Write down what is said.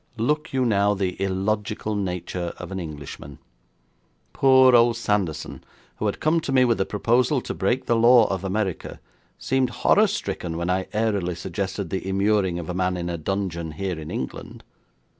Look you now the illogical nature of an Englishman! Poor old Sanderson, who had come to me with a proposal to break the law of America, seemed horror stricken when I airily suggested the immuring of a man in a dungeon here in England.